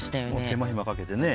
手間ひまかけてね。